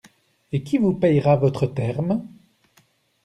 Et qui vous payera votre terme?